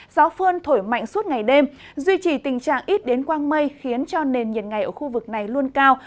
gió phơn thổi mạnh suốt ngày đêm duy trì tình trạng ít đến quang mây khiến cho nền nhiệt ngày ở khu vực này luôn cao